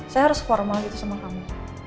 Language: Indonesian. saya harus formal gitu sama kamu